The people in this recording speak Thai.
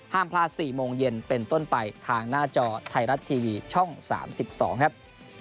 พลาด๔โมงเย็นเป็นต้นไปทางหน้าจอไทยรัฐทีวีช่อง๓๒ครับ